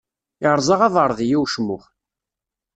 Irẓa abeṛdi i ucmux.